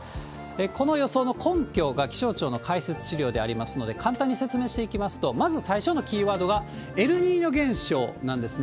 この予想の根拠が気象庁の解説資料でありますので、簡単に説明していきますと、まず最初のキーワードが、エルニーニョ現象なんですね。